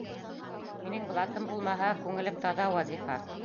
Минең блатым булмаһа, күңелем таҙа, Вазифа!